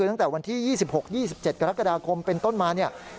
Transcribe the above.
ตั้งแต่วันที่๒๖๒๗กรกฎาคมเป็นต้นมาเนี่ย